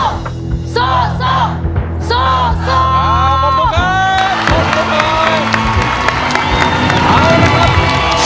ขอบคุณค่ะขอบคุณค่ะ